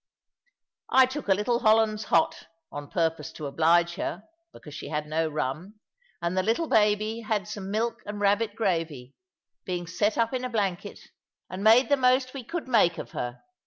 I took a little hollands hot, on purpose to oblige her, because she had no rum; and the little baby had some milk and rabbit gravy, being set up in a blanket, and made the most we could make of her.